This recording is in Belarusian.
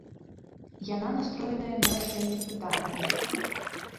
Яна настроеная на рашэнне пытанняў.